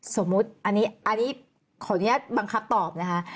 สมมุติอันนี้ขออนุญาตบังคับตอบนะคะ